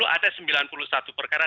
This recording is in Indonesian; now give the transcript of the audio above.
ada sembilan puluh satu perkara